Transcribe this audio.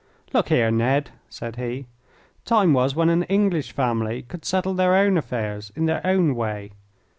"Look here, Ned," said he, "time was when an English family could settle their own affairs in their own way.